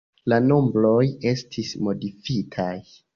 La nombroj estis modifitaj.